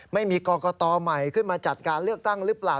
ไม่มีกรกตใหม่ขึ้นมาจัดการเลือกตั้งหรือเปล่า